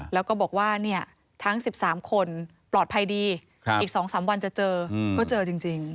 แล้วก็บอกว่าทั้ง๑๓คนปลอดภัยดีอีก๒๓วันจะเจอก็เจอจริง